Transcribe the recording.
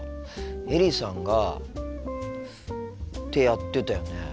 エリさんがってやってたよね。